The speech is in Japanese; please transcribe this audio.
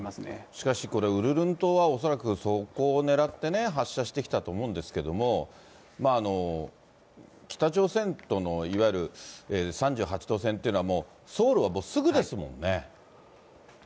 しかしこれ、ウルルン島は恐らくそこをねらって発射してきたと思うんですけども、北朝鮮とのいわゆる３８度線というのは、そうですね。